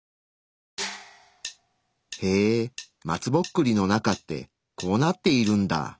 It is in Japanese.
へえ松ぼっくりの中ってこうなっているんだ。